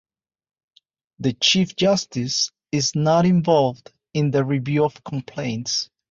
The Chief Justice is not involved in the review of complaints.